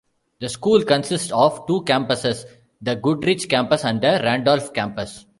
The school consists of two campuses: the Goodrich Campus and the Randolph Campus.